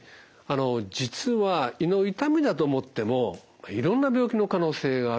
実は胃の痛みだと思ってもいろんな病気の可能性があるんですね。